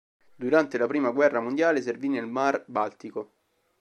Durante la Prima guerra mondiale servì nel Mar Baltico.